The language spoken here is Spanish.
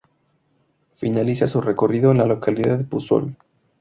Finaliza su recorrido en la localidad de Puzol.